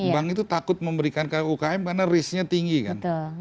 bank itu takut memberikan ke ukm karena risknya tinggi kan